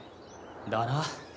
だな。